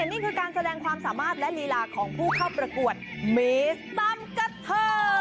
นี่คือการแสดงความสามารถและลีลาของผู้เข้าประกวดเมสตันกะเทอร์